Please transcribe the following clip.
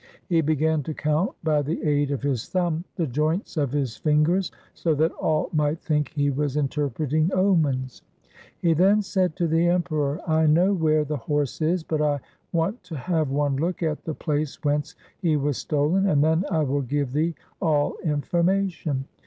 He began to count by the aid of his thumb the joints of his fingers, so that all might think he was interpreting omens. He then said to the Emperor, ' I know where the horse is, but I want to have one look at the place whence he was stolen, and then I will give thee all information.